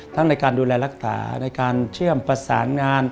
ในการดูแลรักษาในการเชื่อมประสานงาน